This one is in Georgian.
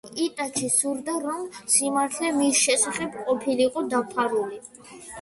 იტაჩის სურდა, რომ სიმართლე მის შესახებ ყოფილიყო დაფარული.